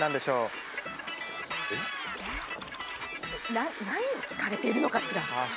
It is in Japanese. な何を聞かれてるのかしら？